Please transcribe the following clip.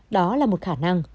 đó là một khả năng